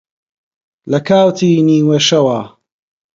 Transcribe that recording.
لە کاتی نیوەشەوا